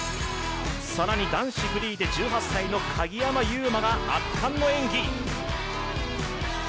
更に男子フリーで１８歳の鍵山優真が圧巻の演技。